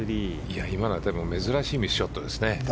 今のは珍しいミスショットですね。